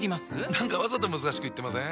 何かわざと難しく言ってません？